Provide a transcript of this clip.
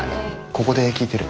ここで聞いてる。